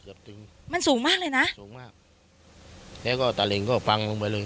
มันสูงมากเลยนะสูงมากแล้วก็ตะเล็งก็ฟังลงไปเลย